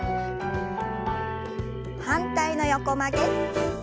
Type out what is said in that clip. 反対の横曲げ。